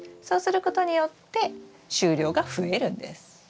そうすることによって収量が増えるんです。